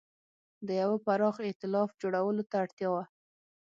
د یوه پراخ اېتلاف جوړولو ته اړتیا وه.